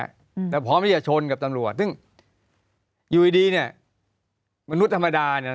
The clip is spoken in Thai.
อืมแต่พร้อมที่จะชนกับตำรวจซึ่งอยู่ดีดีเนี้ยมนุษย์ธรรมดาเนี้ย